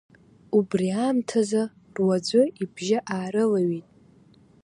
Убри аамҭазы руаӡәы ибжьы аарылаҩт…